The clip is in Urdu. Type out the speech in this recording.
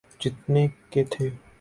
جتنے کے تھے۔